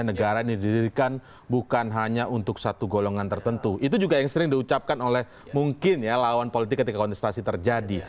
negara ini didirikan bukan hanya untuk satu golongan tertentu itu juga yang sering diucapkan oleh mungkin ya lawan politik ketika kontestasi terjadi